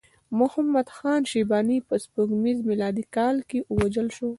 محمد خان شیباني په سپوږمیز میلادي کال کې ووژل شو.